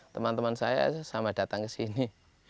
teman teman saya sama datang ke sini